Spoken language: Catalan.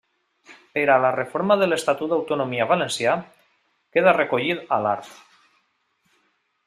Per a la reforma de l'estatut d'autonomia valencià, queda recollit a l'art.